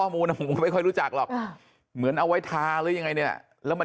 มุมผมก็ไม่ค่อยรู้จักหรอกเหมือนเอาไว้ทาหรือยังไงเนี่ยแล้วมัน